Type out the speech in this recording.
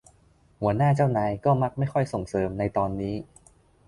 หัวหน้าเจ้านายก็มักไม่ค่อยส่งเสริมในตอนนี้